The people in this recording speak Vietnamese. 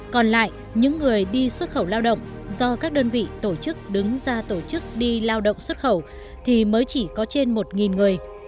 còn lại những người đi xuất khẩu lao động do các đơn vị tổ chức đứng ra tổ chức đi lao động xuất khẩu thì mới chỉ có trên một người